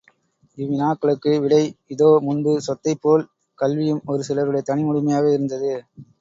இவ்வினாக்களுக்கு விடை இதோ முன்பு சொத்தைப் போல், கல்வியும், ஒரு சிலருடைய தனி உடைமையாக இருந்தது.